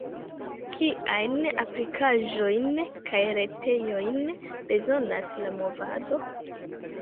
Kiajn aplikaĵojn kaj retejojn bezonas la movado?